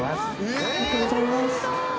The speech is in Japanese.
ありがとうございます。